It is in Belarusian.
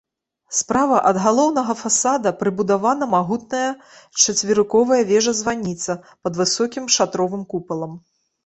Справа ад галоўнага фасада прыбудавана магутная чацверыковая вежа-званіца пад высокім шатровым купалам.